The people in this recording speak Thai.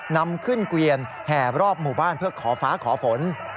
นำขึ้นเกวียนแห่รอบหมู่บ้านเพื่อขอฟ้าขอฝน